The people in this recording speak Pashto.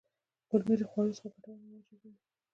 کولمې له خوړو څخه ګټور مواد جذبوي